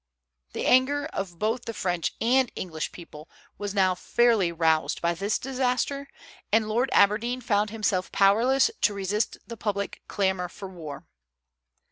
The anger of both the French and English people was now fairly roused by this disaster, and Lord Aberdeen found himself powerless to resist the public clamor for war.